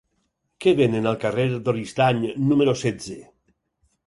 Què venen al carrer d'Oristany número setze?